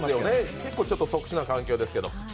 結構、ちょっと特殊な環境ですけど。